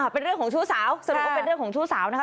เป็นเรื่องของชู้สาวสรุปว่าเป็นเรื่องของชู้สาวนะคะ